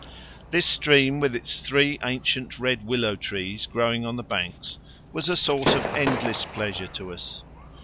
This stream, with its three ancient red willow trees growing on the banks, was a source of endless pleasure to us.